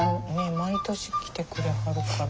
毎年来てくれはるから。